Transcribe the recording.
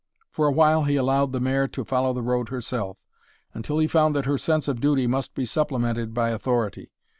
For a while he allowed the mare to follow the road herself, until he found that her sense of duty must be supplemented by authority.